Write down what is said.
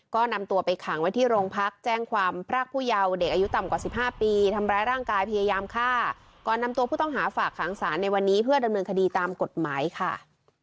ก็นำตัวไปขังไว้ที่โรงพักแจ้งความพรากผู้เยาว์เด็กอายุต่ำกว่า๑๕ปีทำร้ายร่างกายพยายามฆ่าก่อนนำตัวผู้ต้องหาฝากขังสารในวันนี้เพื่อดำเนินคดีตามกฎหมายค่ะ